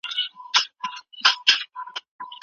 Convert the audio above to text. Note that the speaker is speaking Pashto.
روښانه فکر اندیښنه نه جوړوي.